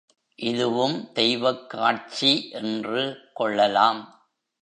இதுவும் தெய்வக் காட்சி என்று கொள்ளலாம்.